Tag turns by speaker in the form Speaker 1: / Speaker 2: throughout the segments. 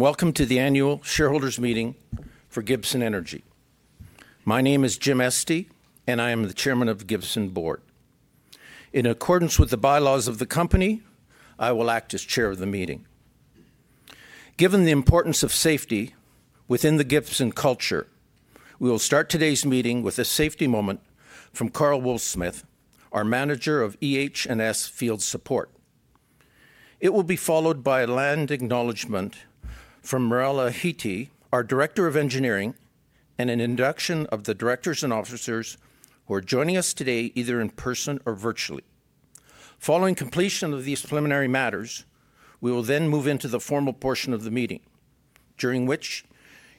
Speaker 1: Welcome to the annual shareholders' meeting for Gibson Energy. My name is Jim Estey, and I am the Chairman of the Gibson board. In accordance with the bylaws of the company, I will act as Chair of the meeting. Given the importance of safety within the Gibson culture, we will start today's meeting with a safety moment from Karl Woolfsmith, our Manager of EH&S Field Support. It will be followed by a land acknowledgment from Mirela Hiti, our Director of Engineering, and an induction of the directors and officers who are joining us today either in person or virtually. Following completion of these preliminary matters, we will then move into the formal portion of the meeting, during which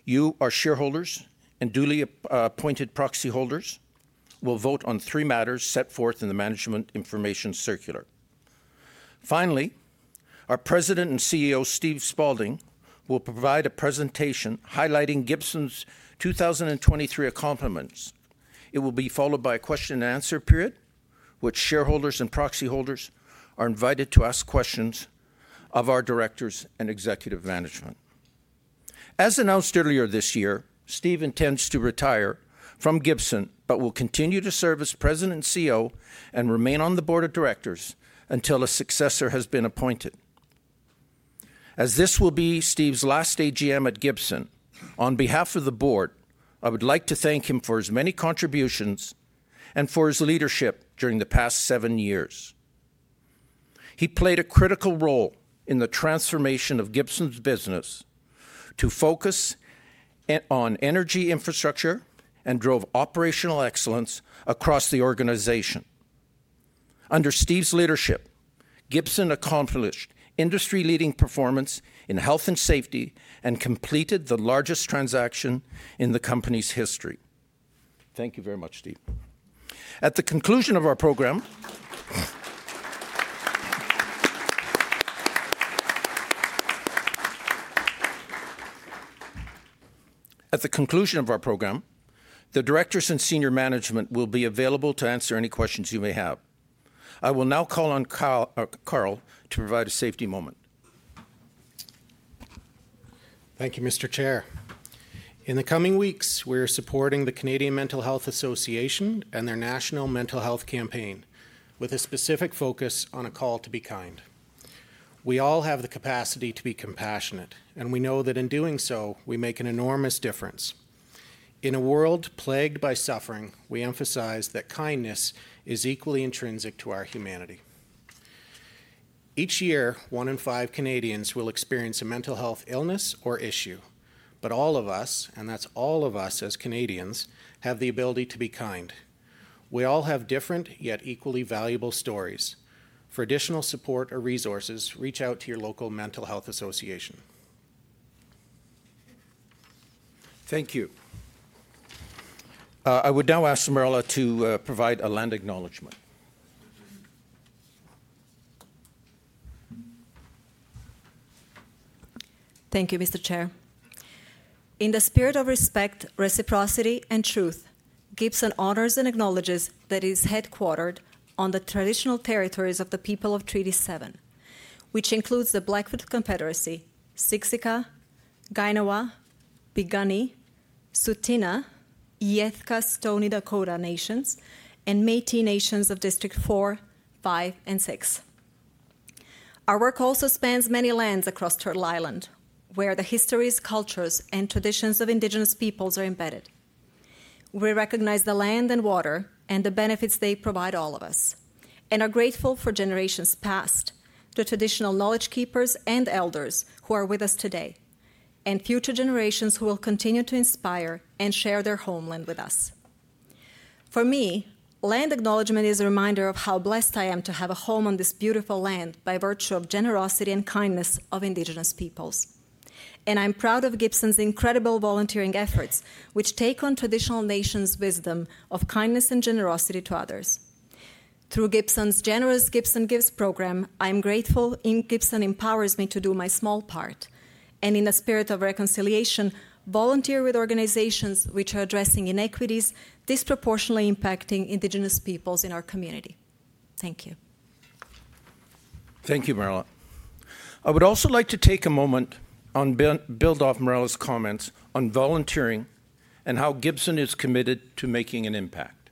Speaker 1: you, our shareholders and duly appointed proxy holders, will vote on three matters set forth in the Management Information Circular. Finally, our President and CEO, Steve Spaulding, will provide a presentation highlighting Gibson's 2023 accomplishments. It will be followed by a question-and-answer period, which shareholders and proxy holders are invited to ask questions of our directors and executive management. As announced earlier this year, Steve intends to retire from Gibson but will continue to serve as President and CEO and remain on the Board of Directors until a successor has been appointed. As this will be Steve's last AGM at Gibson, on behalf of the board, I would like to thank him for his many contributions and for his leadership during the past seven years. He played a critical role in the transformation of Gibson's business to focus on energy infrastructure and drove operational excellence across the organization. Under Steve's leadership, Gibson accomplished industry-leading performance in health and safety and completed the largest transaction in the company's history. Thank you very much, Steve. At the conclusion of our program, the directors and senior management will be available to answer any questions you may have. I will now call on Karl to provide a safety moment.
Speaker 2: Thank you, Mr. Chair. In the coming weeks, we are supporting the Canadian Mental Health Association and their national mental health campaign with a specific focus on a call to be kind. We all have the capacity to be compassionate, and we know that in doing so we make an enormous difference. In a world plagued by suffering, we emphasize that kindness is equally intrinsic to our humanity. Each year, one in five Canadians will experience a mental health illness or issue, but all of us, and that's all of us as Canadians, have the ability to be kind. We all have different yet equally valuable stories. For additional support or resources, reach out to your local mental health association.
Speaker 1: Thank you. I would now ask Mirela to provide a land acknowledgment.
Speaker 3: Thank you, Mr. Chair. In the spirit of respect, reciprocity, and truth, Gibson honors and acknowledges that it is headquartered on the traditional territories of the people of Treaty 7, which includes the Blackfoot Confederacy, Siksika, Kainaiwa, Piikani, Tsuut'ina, Iyethka Stoney Nakoda Nations, and Métis Nations of District 4, 5, and 6. Our work also spans many lands across Turtle Island, where the histories, cultures, and traditions of Indigenous peoples are embedded. We recognize the land and water and the benefits they provide all of us, and are grateful for generations past, the traditional knowledge keepers and elders who are with us today, and future generations who will continue to inspire and share their homeland with us. For me, land acknowledgment is a reminder of how blessed I am to have a home on this beautiful land by virtue of generosity and kindness of Indigenous peoples. I am proud of Gibson's incredible volunteering efforts, which take on traditional nations' wisdom of kindness and generosity to others. Through Gibson's generous Gibson Gives program, I am grateful that Gibson empowers me to do my small part, and in the spirit of reconciliation, volunteer with organizations which are addressing inequities disproportionately impacting Indigenous peoples in our community. Thank you.
Speaker 1: Thank you, Mirela. I would also like to take a moment and build off Mirela's comments on volunteering and how Gibson is committed to making an impact.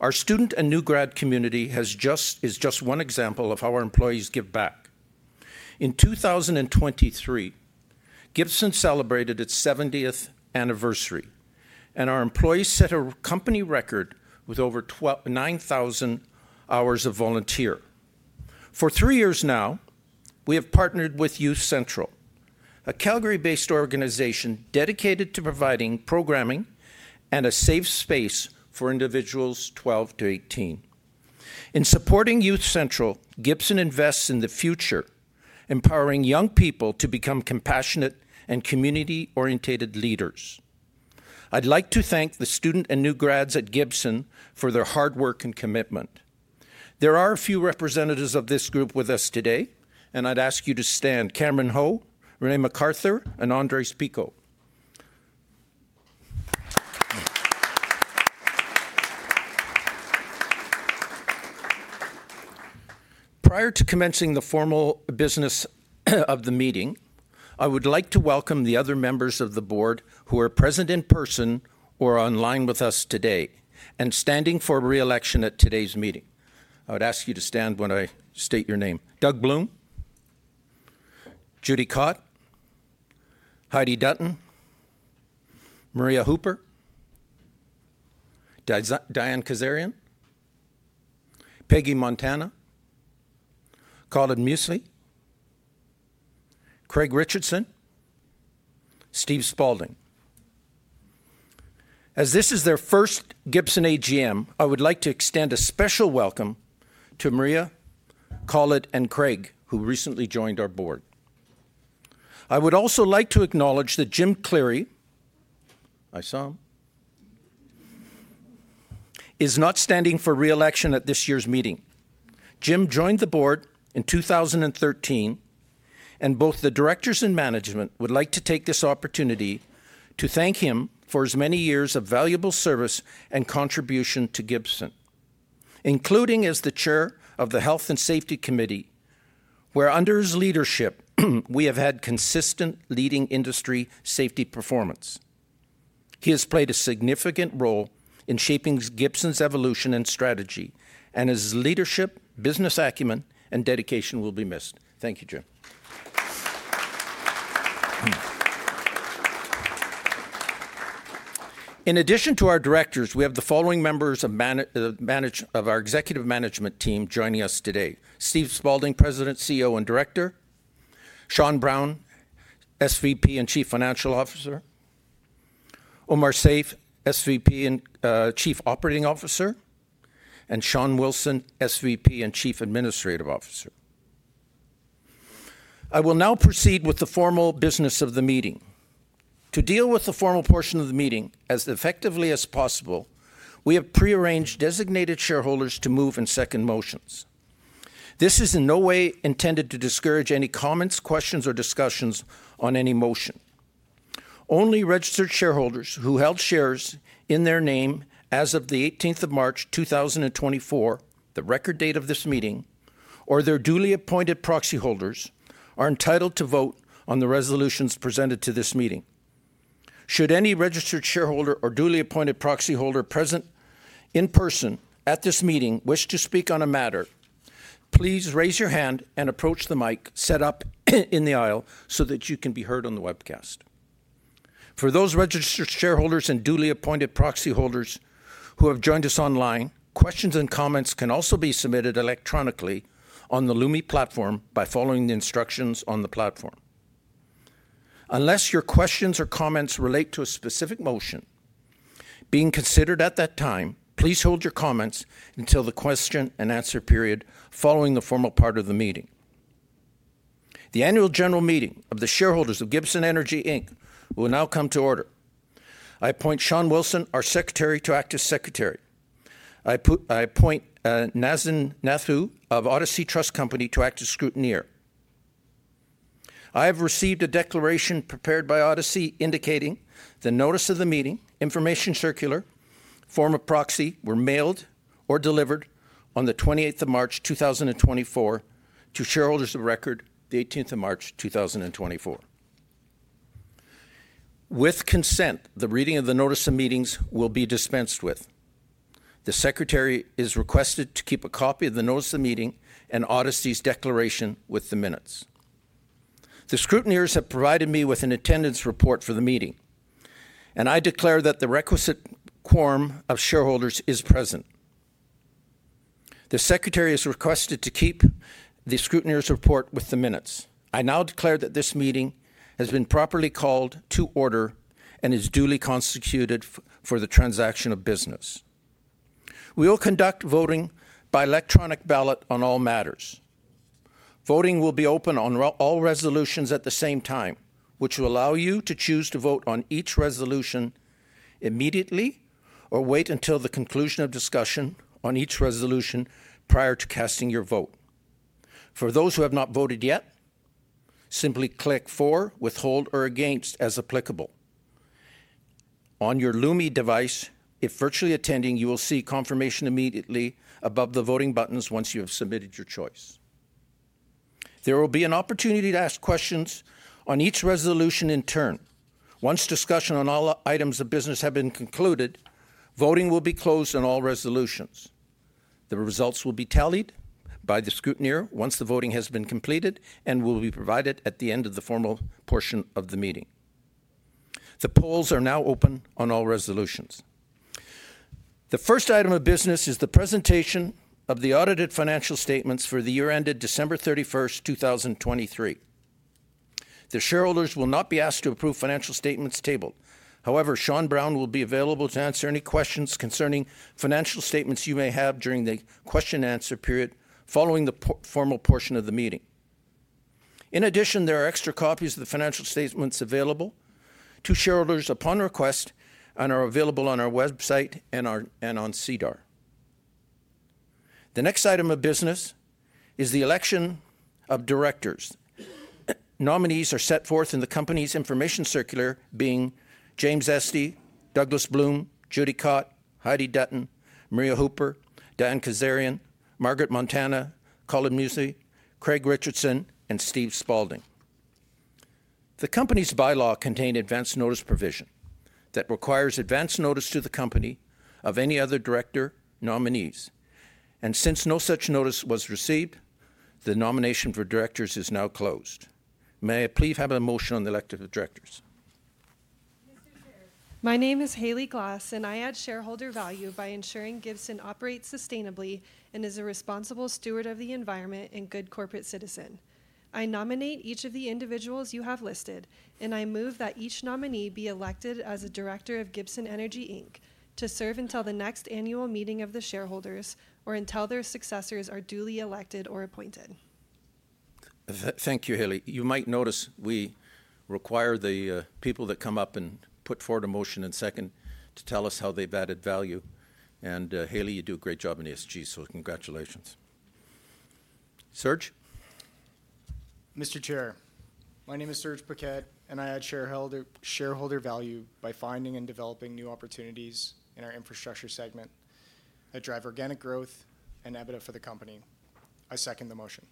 Speaker 1: Our student and new grad community is just one example of how our employees give back. In 2023, Gibson celebrated its 70th anniversary, and our employees set a company record with over 9,000 hours of volunteer. For three years now, we have partnered with Youth Central, a Calgary-based organization dedicated to providing programming and a safe space for individuals 12 to 18. In supporting Youth Central, Gibson invests in the future, empowering young people to become compassionate and community-oriented leaders. I'd like to thank the student and new grads at Gibson for their hard work and commitment. There are a few representatives of this group with us today, and I'd ask you to stand: Cameron Ho, Renae McArthur, and Andres Pico. Prior to commencing the formal business of the meeting, I would like to welcome the other members of the board who are present in person or online with us today and standing for re-election at today's meeting. I would ask you to stand when I state your name. Doug Bloom? Judy Cotte? Heidi Dutton? Maria Hooper? Diane Kazarian? Peggy Montana? Khalid Muslih? Craig Richardson? Steve Spaulding. As this is their first Gibson AGM, I would like to extend a special welcome to Maria, Khalid, and Craig, who recently joined our board. I would also like to acknowledge that Jim Cleary, I saw him, is not standing for re-election at this year's meeting. Jim joined the board in 2013, and both the directors and management would like to take this opportunity to thank him for his many years of valuable service and contribution to Gibson, including as the Chair of the Health and Safety Committee, where under his leadership we have had consistent leading industry safety performance. He has played a significant role in shaping Gibson's evolution and strategy, and his leadership, business acumen, and dedication will be missed. Thank you, Jim. In addition to our directors, we have the following members of our executive management team joining us today: Steve Spaulding, President, CEO, and Director; Sean Brown, SVP and Chief Financial Officer; Omar Saif, SVP and Chief Operating Officer; and Sean Wilson, SVP and Chief Administrative Officer. I will now proceed with the formal business of the meeting. To deal with the formal portion of the meeting as effectively as possible, we have pre-arranged designated shareholders to move and second motions. This is in no way intended to discourage any comments, questions, or discussions on any motion. Only registered shareholders who held shares in their name as of the March 18th, 2024, the record date of this meeting, or their duly appointed proxy holders are entitled to vote on the resolutions presented to this meeting. Should any registered shareholder or duly appointed proxy holder present in person at this meeting wish to speak on a matter, please raise your hand and approach the mic set up in the aisle so that you can be heard on the webcast. For those registered shareholders and duly appointed proxy holders who have joined us online, questions and comments can also be submitted electronically on the Loomi platform by following the instructions on the platform. Unless your questions or comments relate to a specific motion being considered at that time, please hold your comments until the question-and-answer period following the formal part of the meeting. The annual general meeting of the shareholders of Gibson Energy, Inc., will now come to order. I appoint Sean Wilson, our secretary, to act as secretary. I appoint Nazim Nathoo of Odyssey Trust Company to act as scrutineer. I have received a declaration prepared by Odyssey indicating the notice of the meeting, Information Circular, form of proxy, were mailed or delivered on the March 28th, 2024, to shareholders of record the March 18th, 2024. With consent, the reading of the notice of meetings will be dispensed with. The secretary is requested to keep a copy of the notice of meeting and Odyssey's declaration with the minutes. The scrutineers have provided me with an attendance report for the meeting, and I declare that the requisite quorum of shareholders is present. The secretary is requested to keep the scrutineer's report with the minutes. I now declare that this meeting has been properly called to order and is duly constituted for the transaction of business. We will conduct voting by electronic ballot on all matters. Voting will be open on all resolutions at the same time, which will allow you to choose to vote on each resolution immediately or wait until the conclusion of discussion on each resolution prior to casting your vote. For those who have not voted yet, simply click "For", "Withhold", or "Against" as applicable. On your Loomi device, if virtually attending, you will see confirmation immediately above the voting buttons once you have submitted your choice. There will be an opportunity to ask questions on each resolution in turn. Once discussion on all items of business has been concluded, voting will be closed on all resolutions. The results will be tallied by the scrutineer once the voting has been completed and will be provided at the end of the formal portion of the meeting. The polls are now open on all resolutions. The first item of business is the presentation of the audited financial statements for the year ended December 31st, 2023. The shareholders will not be asked to approve financial statements tabled. However, Sean Brown will be available to answer any questions concerning financial statements you may have during the question-and-answer period following the formal portion of the meeting. In addition, there are extra copies of the financial statements available to shareholders upon request and are available on our website and on SEDAR. The next item of business is the election of directors. Nominees are set forth in the company's Information Circular, being James Estey, Douglas Bloom, Judy Cotte, Heidi Dutton, Maria Hooper, Diane Kazarian, Margaret Montana, Khalid Muslih, Craig Richardson, and Steve Spaulding. The company's bylaw contained an advance notice provision that requires advance notice to the company of any other director nominees. Since no such notice was received, the nomination for directors is now closed. May I please have a motion on the election of directors?
Speaker 4: My name is Haley Glass, and I add shareholder value by ensuring Gibson operates sustainably and is a responsible steward of the environment and good corporate citizen. I nominate each of the individuals you have listed, and I move that each nominee be elected as a director of Gibson Energy, Inc., to serve until the next annual meeting of the shareholders or until their successors are duly elected or appointed.
Speaker 1: Thank you, Haley. You might notice we require the people that come up and put forward a motion and second to tell us how they've added value. Haley, you do a great job in ESG, so congratulations. Serge?
Speaker 5: Mr. Chair, my name is Serge Paquette, and I add shareholder value by finding and developing new opportunities in our infrastructure segment. I drive organic growth and EBITDA for the company. I second the motion.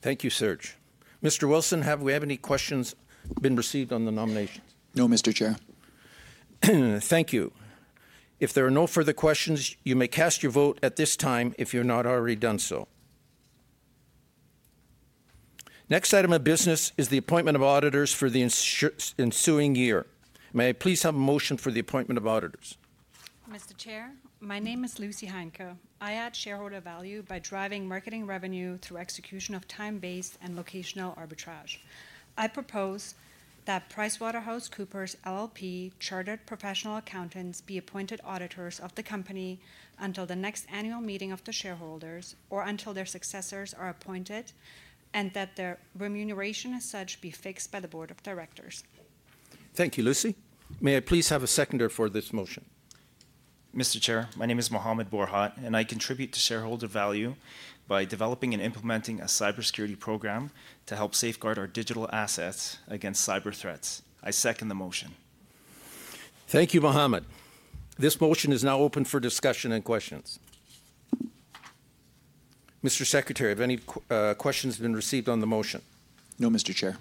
Speaker 1: Thank you, Serge. Mr. Wilson, have we had any questions been received on the nominations?
Speaker 6: No, Mr. Chair.
Speaker 1: Thank you. If there are no further questions, you may cast your vote at this time if you're not already done so. Next item of business is the appointment of auditors for the ensuing year. May I please have a motion for the appointment of auditors?
Speaker 7: Mr. Chair, my name is Lucy Heinke. I add shareholder value by driving marketing revenue through execution of time-based and locational arbitrage. I propose that PricewaterhouseCoopers, LLP, chartered professional accountants be appointed auditors of the company until the next annual meeting of the shareholders or until their successors are appointed, and that their remuneration as such be fixed by the board of directors.
Speaker 1: Thank you, Lucy. May I please have a seconder for this motion?
Speaker 8: Mr. Chair, my name is Muhammed Orhan, and I contribute to shareholder value by developing and implementing a cybersecurity program to help safeguard our digital assets against cyber threats. I second the motion.
Speaker 1: Thank you, Muhammed. This motion is now open for discussion and questions. Mr. Secretary, have any questions been received on the motion?
Speaker 6: No, Mr. Chair.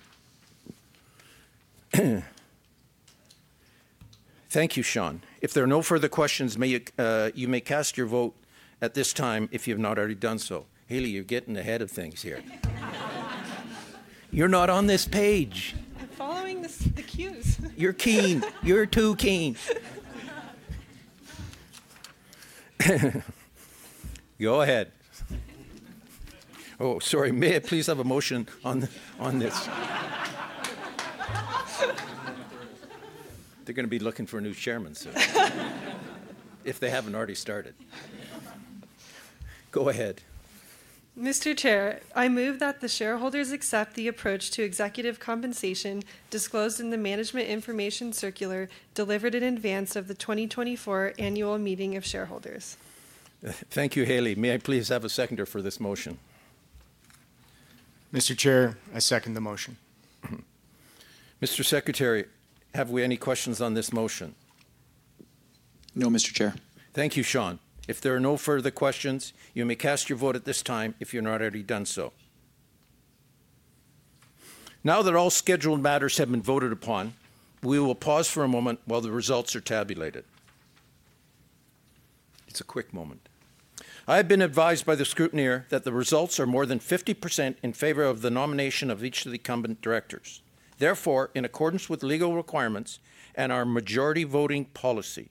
Speaker 1: Thank you, Sean. If there are no further questions, you may cast your vote at this time if you have not already done so. Haley, you're getting ahead of things here. You're not on this page.
Speaker 4: I'm following the cues.
Speaker 1: You're keen. You're too keen. Go ahead. Oh, sorry. May I please have a motion on this? They're going to be looking for a new chairman soon if they haven't already started. Go ahead.
Speaker 4: Mr. Chair, I move that the shareholders accept the approach to executive compensation disclosed in the Management Information Circular delivered in advance of the 2024 annual meeting of shareholders.
Speaker 1: Thank you, Haley. May I please have a seconder for this motion?
Speaker 5: Mr. Chair, I second the motion.
Speaker 1: Mr. Secretary, have we any questions on this motion?
Speaker 6: No, Mr. Chair.
Speaker 1: Thank you, Sean. If there are no further questions, you may cast your vote at this time if you're not already done so. Now that all scheduled matters have been voted upon, we will pause for a moment while the results are tabulated. It's a quick moment. I have been advised by the scrutineer that the results are more than 50% in favor of the nomination of each of the incumbent directors. Therefore, in accordance with legal requirements and our majority voting policy,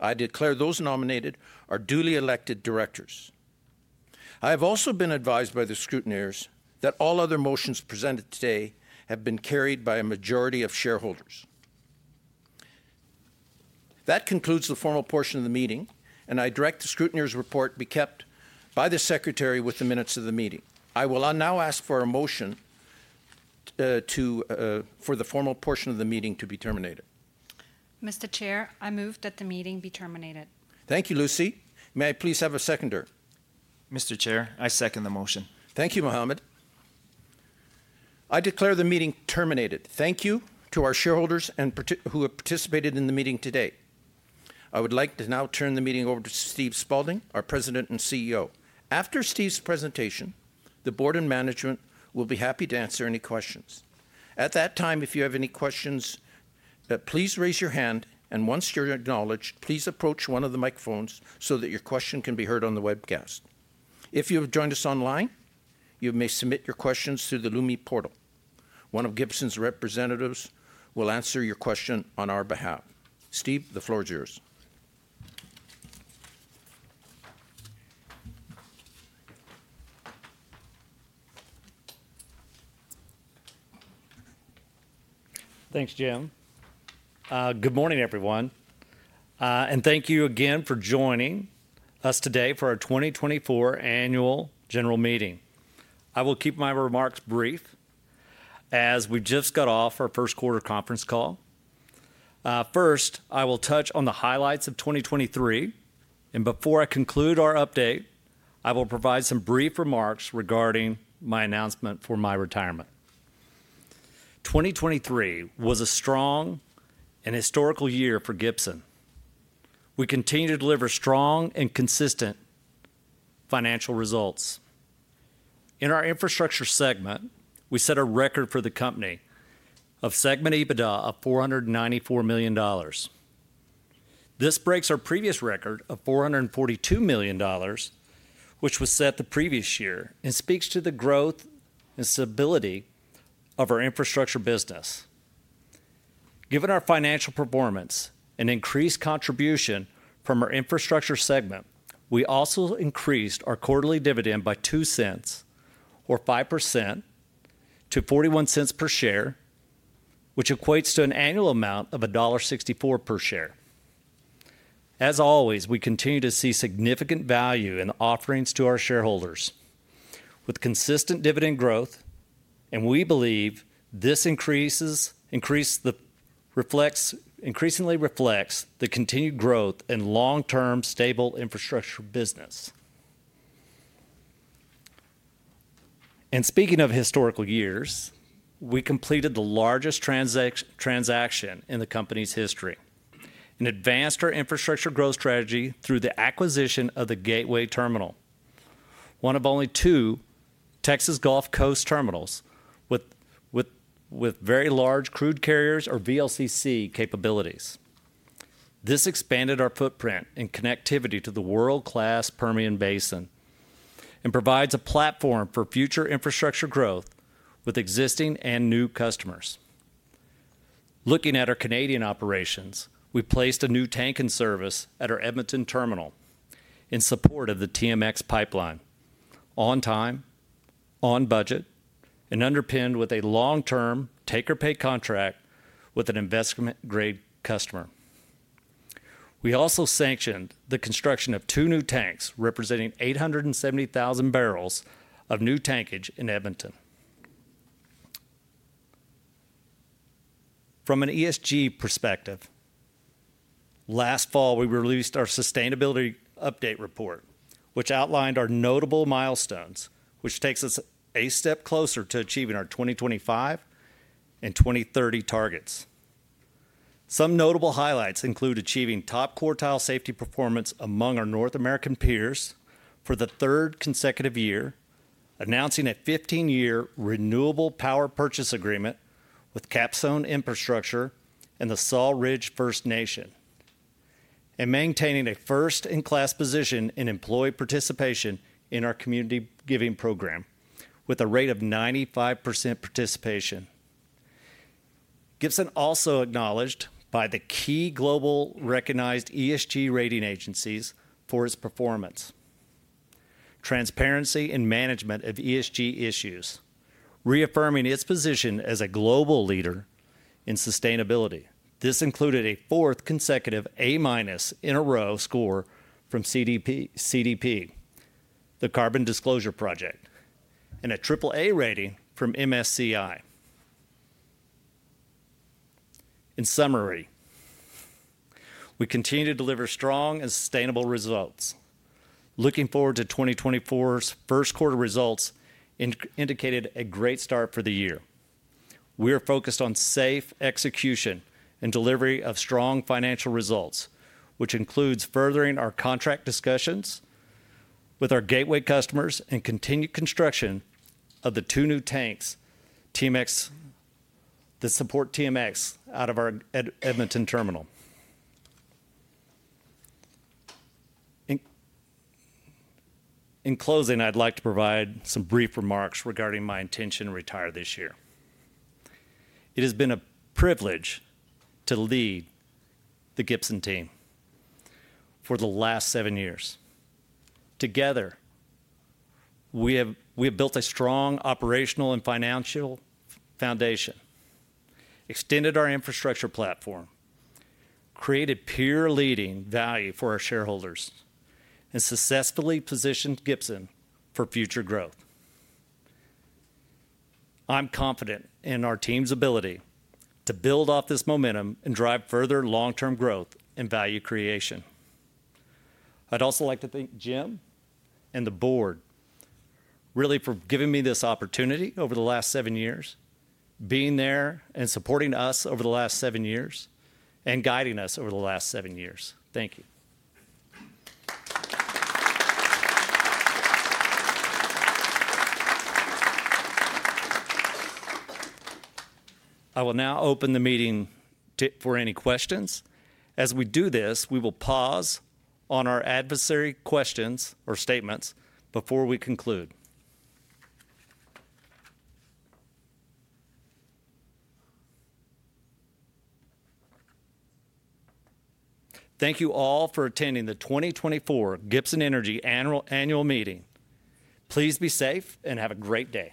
Speaker 1: I declare those nominated are duly elected directors. I have also been advised by the scrutineers that all other motions presented today have been carried by a majority of shareholders. That concludes the formal portion of the meeting, and I direct the scrutineer's report be kept by the Secretary with the minutes of the meeting. I will now ask for a motion for the formal portion of the meeting to be terminated.
Speaker 7: Mr. Chair, I move that the meeting be terminated.
Speaker 1: Thank you, Lucy. May I please have a seconder?
Speaker 8: Mr. Chair, I second the motion.
Speaker 1: Thank you, Muhammed. I declare the meeting terminated. Thank you to our shareholders who have participated in the meeting today. I would like to now turn the meeting over to Steve Spaulding, our president and CEO. After Steve's presentation, the board and management will be happy to answer any questions. At that time, if you have any questions, please raise your hand, and once you're acknowledged, please approach one of the microphones so that your question can be heard on the webcast. If you have joined us online, you may submit your questions through the Loomi portal. One of Gibson's representatives will answer your question on our behalf. Steve, the floor is yours.
Speaker 9: Thanks, Jim. Good morning, everyone. Thank you again for joining us today for our 2024 annual general meeting. I will keep my remarks brief as we just got off our first quarter conference call. First, I will touch on the highlights of 2023, and before I conclude our update, I will provide some brief remarks regarding my announcement for my retirement. 2023 was a strong and historical year for Gibson. We continue to deliver strong and consistent financial results. In our infrastructure segment, we set a record for the company of segment EBITDA of 494 million dollars. This breaks our previous record of 442 million dollars, which was set the previous year, and speaks to the growth and stability of our infrastructure business. Given our financial performance and increased contribution from our infrastructure segment, we also increased our quarterly dividend by 0.02, or 5%, to 0.41 per share, which equates to an annual amount of dollar 1.64 per share. As always, we continue to see significant value in the offerings to our shareholders with consistent dividend growth, and we believe this increase increasingly reflects the continued growth and long-term stable infrastructure business. Speaking of historical years, we completed the largest transaction in the company's history and advanced our infrastructure growth strategy through the acquisition of the Gateway Terminal, one of only two Texas Gulf Coast terminals with Very Large Crude Carriers, or VLCC, capabilities. This expanded our footprint and connectivity to the world-class Permian Basin and provides a platform for future infrastructure growth with existing and new customers. Looking at our Canadian operations, we placed a new tank in service at our Edmonton Terminal in support of the TMX pipeline, on time, on budget, and underpinned with a long-term take-or-pay contract with an investment-grade customer. We also sanctioned the construction of two new tanks representing 870,000 barrels of new tankage in Edmonton. From an ESG perspective, last fall, we released our Sustainability Update Report, which outlined our notable milestones, which takes us a step closer to achieving our 2025 and 2030 targets. Some notable highlights include achieving top quartile safety performance among our North American peers for the third consecutive year, announcing a 15-year renewable power purchase agreement with Capstone Infrastructure and the Sawridge First Nation, and maintaining a first-in-class position in employee participation in our community giving program with a rate of 95% participation. Gibson also acknowledged by the key global recognized ESG rating agencies for its performance, transparency in management of ESG issues, reaffirming its position as a global leader in sustainability. This included a fourth consecutive A-minus in a row score from CDP CDP, the Carbon Disclosure Project, and a AAA rating from MSCI. In summary, we continue to deliver strong and sustainable results. Looking forward to 2024's first quarter results indicated a great start for the year. We are focused on safe execution and delivery of strong financial results, which includes furthering our contract discussions with our Gateway customers and continued construction of the two new tanks TMX that support TMX out of our Edmonton Terminal. In closing, I'd like to provide some brief remarks regarding my intention to retire this year. It has been a privilege to lead the Gibson team for the last seven years. Together, we have built a strong operational and financial foundation, extended our infrastructure platform, created peer-leading value for our shareholders, and successfully positioned Gibson for future growth. I'm confident in our team's ability to build off this momentum and drive further long-term growth and value creation. I'd also like to thank Jim and the board really for giving me this opportunity over the last seven years, being there and supporting us over the last seven years, and guiding us over the last seven years. Thank you. I will now open the meeting for any questions. As we do this, we will pause on our adversary questions or statements before we conclude. Thank you all for attending the 2024 Gibson Energy annual meeting. Please be safe and have a great day.